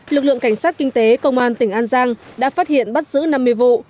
lực lượng cảnh sát kinh tế công an tỉnh an giang đã phát hiện bắt giữ năm mươi vụ